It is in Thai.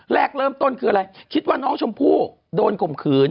แรกเริ่มต้นคืออะไรคิดว่าน้องชมพู่โดนข่มขืน